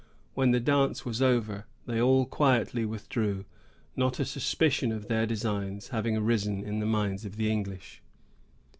When the dance was over, they all quietly withdrew, not a suspicion of their designs having arisen in the minds of the English.